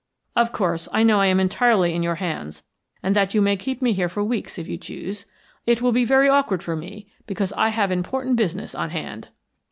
Of course, I know I am entirely in your hands, and that you may keep me here for weeks if you choose. It will be very awkward for me, because I have important business on hand."